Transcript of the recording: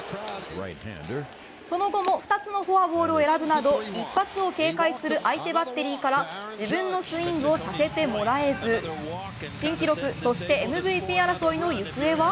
その後も２つのフォアボールを選ぶなど一発を警戒する相手バッテリーから自分のスイングをさせてもらえず新記録そしてＭＶＰ争いの行方は。